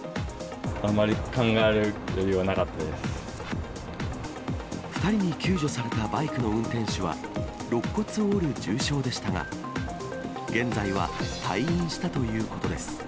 あまり考える余裕はなかった２人に救助されたバイクの運転手は、ろっ骨を折る重傷でしたが、現在は退院したということです。